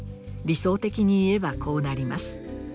理想的に言えばこうなります。